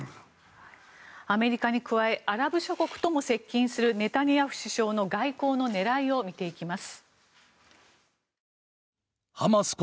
アメリカに加えアラブ諸国とも接近するネタニヤフ首相の外交の狙いを見ていきます。